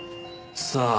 さあ。